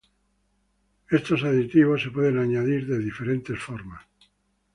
Estos aditivos se puede añadir de diferentes formas.